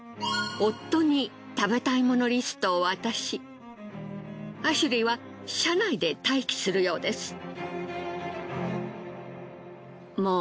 夫に食べたいものリストを渡しアシュリーは車内で待機するようです。